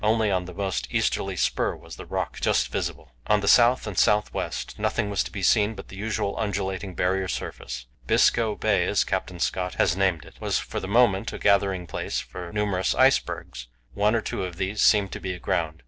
Only on the most easterly spur was the rock just visible. On the south and south west nothing was to be seen but the usual undulating Barrier surface. Biscoe Bay, as Captain Scott has named it, was for the moment a gathering place for numerous icebergs; one or two of these seemed to be aground.